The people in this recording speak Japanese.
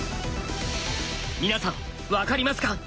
皆さん分かりますか？